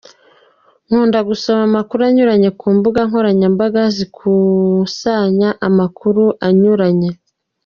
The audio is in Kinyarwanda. Nkunda gusoma amakuru anyuranye ku mbuga nkoranyambaga zikusanya amakuru anyuranye.